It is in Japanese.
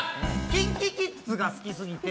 ＫｉｎＫｉＫｉｄｓが好きなんだ